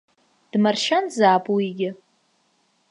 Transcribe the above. Дмаршьанзаап уигьы.